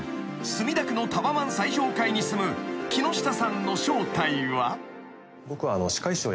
［墨田区のタワマン最上階に住む木下さんの正体は］